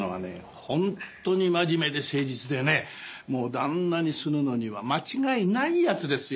本当に真面目で誠実でねもう旦那にするのには間違いない奴ですよ。